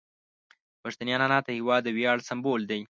پښتني عنعنات د هیواد د ویاړ سمبول دي.